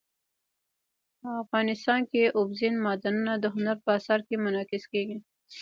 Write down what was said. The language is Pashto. افغانستان کې اوبزین معدنونه د هنر په اثار کې منعکس کېږي.